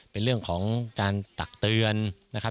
เป็นเรื่องของการตักเตือนนะครับ